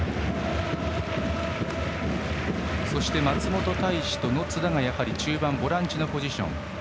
そして、松本泰志と野津田が中盤、ボランチのポジション。